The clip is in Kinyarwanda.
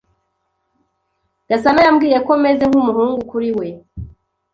Gasana yambwiye ko meze nk'umuhungu kuri we.